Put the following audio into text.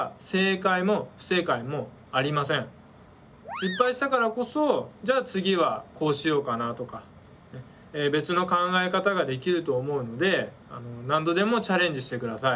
失敗したからこそじゃあ次はこうしようかなとか別の考え方ができると思うので何度でもチャレンジしてください。